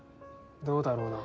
どうだろうな。